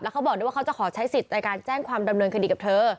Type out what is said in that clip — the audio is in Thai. เขาบอกด้วยว่าเขาจะขอใช้สิทธิ์ในการแจ้งความดำเนินคดีกับเธอ